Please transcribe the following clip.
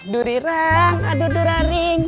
durirang adu duraring